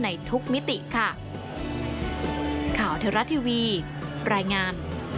ในทุกมิติค่ะ